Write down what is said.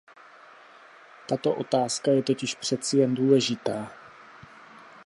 Tato otázka je totiž přeci jen důležitá.